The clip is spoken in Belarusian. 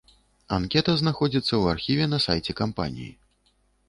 Анкета знаходзіцца ў архіве на сайце кампаніі.